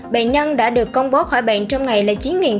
bệnh nhân đã được công bố khỏi bệnh trong ngày là chín một mươi bốn